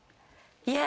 いや。